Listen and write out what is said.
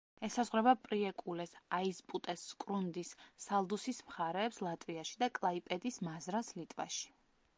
ესაზღვრება პრიეკულეს, აიზპუტეს, სკრუნდის, სალდუსის მხარეებს ლატვიაში და კლაიპედის მაზრას ლიტვაში.